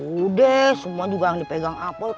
udah semua juga yang dipegang apel